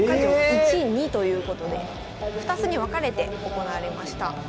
１２ということで２つに分かれて行われました。